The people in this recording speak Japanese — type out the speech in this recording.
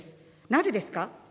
なぜですか。